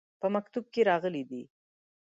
په مکتوب کې راغلي دي.